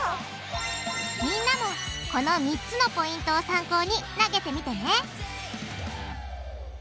みんなもこの３つのポイントを参考に投げてみてね！